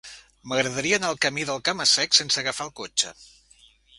M'agradaria anar al camí del Cama-sec sense agafar el cotxe.